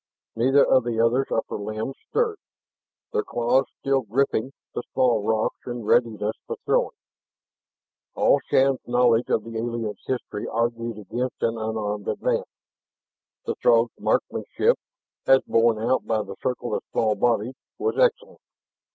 Neither of the other's upper limbs stirred, their claws still gripping the small rocks in readiness for throwing. All Shann's knowledge of the alien's history argued against an unarmed advance. The Throg's marksmanship, as borne out by the circle of small bodies, was excellent.